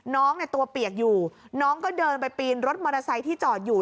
น้องเนี่ยตัวเปียกอยู่น้องก็เดินไปปีนรถมอเตอร์ไซค์ที่จอดอยู่